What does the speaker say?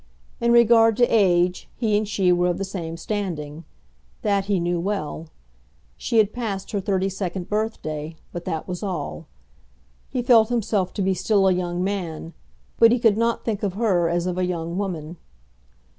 In regard to age he and she were of the same standing. That he knew well. She had passed her thirty second birthday, but that was all. He felt himself to be still a young man, but he could not think of her as of a young woman.